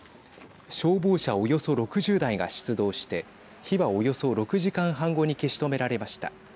消防車およそ６０台が出動して火はおよそ６時間半後に消し止められました。